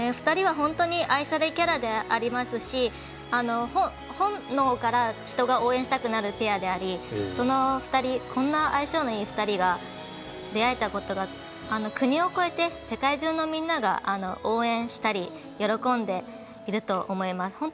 ２人は本当に愛されキャラでありますし本能から、人が応援したくなるペアでありその２人こんな相性のいい２人が出会えたことが国を越えて世界中のみんなが応援したり喜んでいると思います。